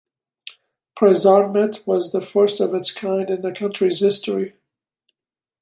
Prasarnmit was the first of its kind in the country's history.